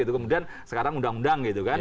kemudian sekarang undang undang gitu kan